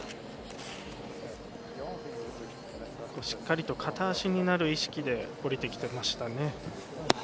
しっかりと片足になる意識で降りていました。